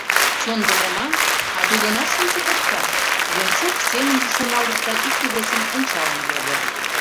«Чондымо ман, а тудынат шӱмжӧ пыртка», — Венцов семынже шоналтыш да икте-весым ончалын йодо: